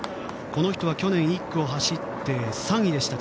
この人は去年１区を走って３位でした。